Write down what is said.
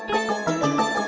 tapi makasih wak